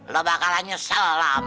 lu bakalan nyesel lam